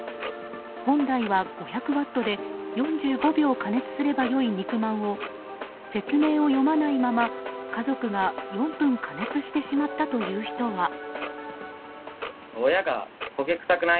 本来は５００ワットで４５秒加熱すればよい肉まんを説明を読まないまま家族が４分加熱してしまったという人は。